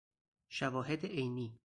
شواهد عینی